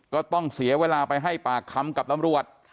ก็ต้องเสียเวลาไปให้ปากคำกับตำรวจ